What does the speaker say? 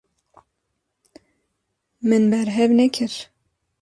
Min berhev nekir.